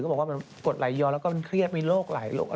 ก็บอกว่ามันกดหลายยอดแล้วก็เครียดมีโรคหลายอะไร